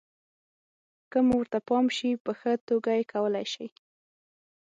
که مو ورته پام شي، په ښه توګه یې کولای شئ.